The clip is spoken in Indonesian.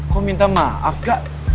kok minta maaf gak